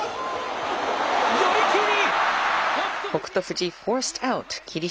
寄り切り。